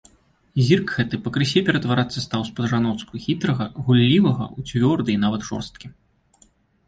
Зірк гэты пакрысе ператварацца стаў з па-жаноцку хітрага, гуллівага ў цвёрды і нават жорсткі.